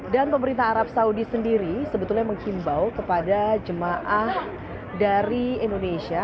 dan pemerintah arab saudi sendiri sebetulnya menghimbau kepada jemaah dari indonesia